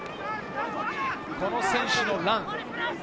この選手のラン。